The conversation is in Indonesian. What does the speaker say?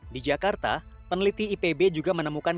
di jakarta peneliti ipb juga menemukan